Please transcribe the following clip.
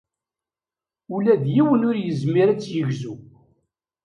Ula d yiwen ur yezmir ad tt-yegzu.